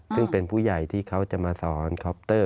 ซึ่งเป็นผู้ใหญ่ที่เขาจะมาสอนคอปเตอร์